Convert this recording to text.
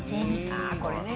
「ああこれね。